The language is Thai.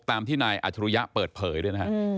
ตามที่หนายอาชุริยะเปิดเพยร์อยู่ด้วย